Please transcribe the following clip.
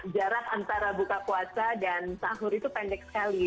jarak antara buka puasa dan sahur itu pendek sekali